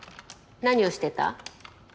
何をしてた？